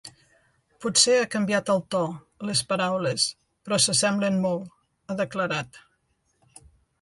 Potser ha canviat el to, les paraules, però s’assemblen molt, ha declarat.